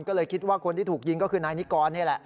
ก็เลยคิดว่าคนที่ถูกยิงก็คือนายนิกรนี่แหละ